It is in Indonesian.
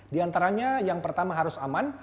di antaranya yang pertama harus aman